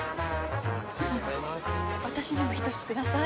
私にも１つください。